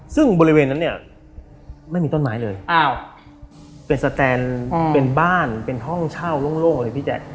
ซึ่งบริเวณนั้นเนี่ยไม่มีต้นไม้เลยเป็นสแตนเป็นบ้านเป็นห้องเช่าโล่งเลยพี่แจ๊ค